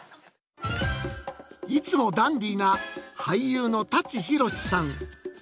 いつもダンディーな俳優の舘ひろしさん。